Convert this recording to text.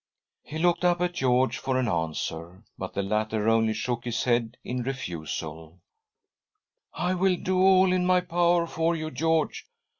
He looked up at George for an answer, but the latter only shook his head in refusal: "I will do all in my power for you, George.